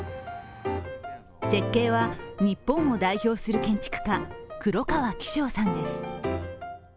設計は日本を代表する建築家、黒川紀章さんです。